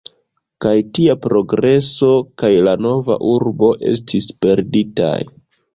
Kaj tia progreso kaj la nova urbo estis perditaj.